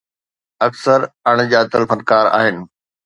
اڪثر اڻڄاتل فنڪار آهن.